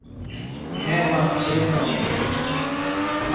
হ্যাঁ মা, শরীর ভালো।